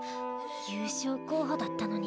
優勝候補だったのに。